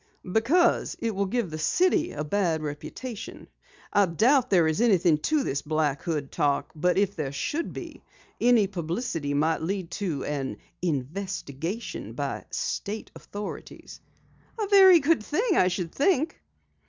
"Because it will give the city a bad reputation. I doubt there is anything to this Black Hood talk, but if there should be, any publicity might lead to an investigation by state authorities." "A very good thing, I should think."